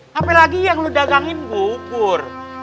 sampai lagi yang lo dagangin bubur